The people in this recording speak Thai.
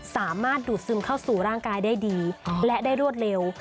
สามารถดูดซึมเข้าสู่ร่างกายได้ดีและได้รวดเร็ว